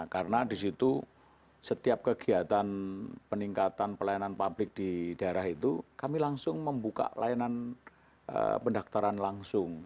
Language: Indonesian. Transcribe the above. karena disitu setiap kegiatan peningkatan pelayanan publik di daerah itu kami langsung membuka layanan pendaftaran langsung